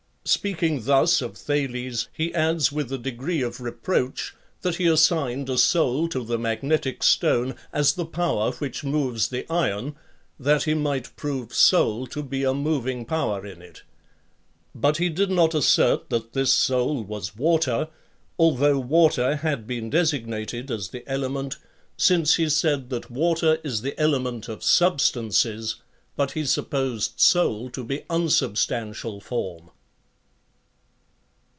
31, 21 p.—And in speaking thus of Thales he adds with a degree of reproach that he assigned a soul to the magnetic stone as the power which moves the iron, that he might prove soul to be a moving power in it; but he did not assert that this soul was water, although water had been designated as the element, since he said that water is the ele ment of substances, but he supposed soul to be un substantial form.